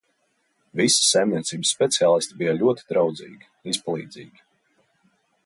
Visi saimniecības speciālisti bija ļoti draudzīgi, izpalīdzīgi.